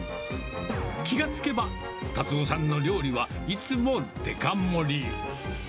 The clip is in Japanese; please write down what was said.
気がつけば、達夫さんの料理は、いつもデカ盛り。